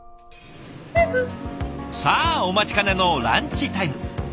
さあお待ちかねのランチタイム。